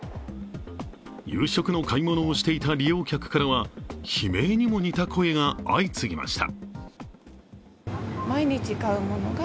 夕食の買い物をしていた利用客からは悲鳴にも似た声が相次ぎました。